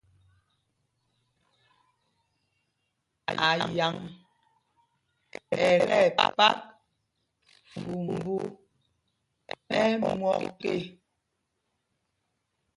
Ayaŋ ɛ tí ɛpak fumbū ɛ́ myɔk ê.